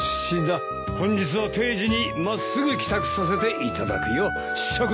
本日は定時に真っすぐ帰宅させていただくよ諸君。